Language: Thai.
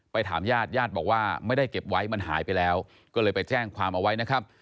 ถามญาติญาติบอกว่าไม่ได้เก็บไว้มันหายไปแล้วก็เลยไปแจ้งความเอาไว้นะครับ